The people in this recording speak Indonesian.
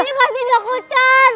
ini masih ada kocan